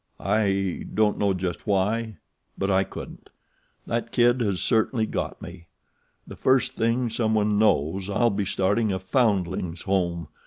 "I don't know just why; but I couldn't. That kid has certainly got me. The first thing someone knows I'll be starting a foundlings' home.